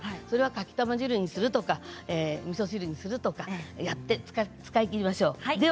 それを、かきたま汁にするとかみそ汁にするとかやって使い切りましょう。